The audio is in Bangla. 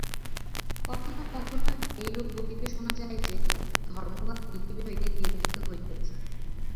কখনও কখনও এইরূপ বলিতে শোনা যায় যে, ধর্মভাব পৃথিবী হইতে তিরোহিত হইতেছে।